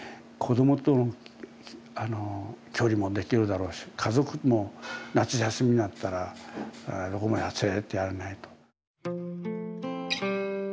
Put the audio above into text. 子どもと距離もできるだろうし家族も夏休みになったらどこも連れてってやれないと。